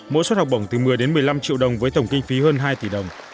mỗi suất học bổng từ một mươi đến một mươi năm triệu đồng với tổng kinh phí hơn hai tỷ đồng